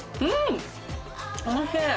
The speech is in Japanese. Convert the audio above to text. おいしい。